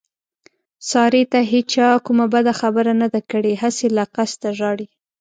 سارې ته هېچا کومه بده خبره نه ده کړې، هسې له قسته ژاړي.